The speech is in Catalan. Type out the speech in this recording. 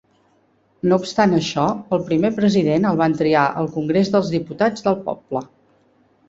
No obstant això, el primer president el van triar el Congrés dels Diputats del Poble.